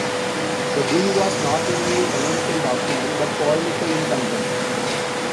The bull was not only a canonical document but polemical in content.